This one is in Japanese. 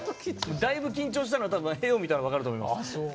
だいぶ緊張したのは多分画を見たら分かると思います。